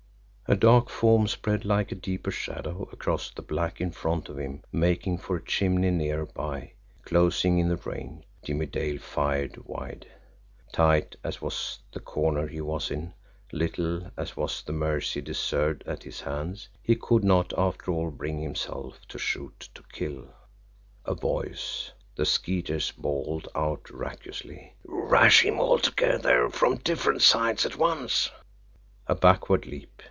A dark form sped like a deeper shadow across the black in front of him, making for a chimney nearer by, closing in the range. Jimmie Dale fired wide. Tight as was the corner he was in, little as was the mercy deserved at his hands, he could not, after all, bring himself to shoot to kill. A voice, the Skeeter's, bawled out raucously: "Rush him all together from different sides at once!" A backward leap!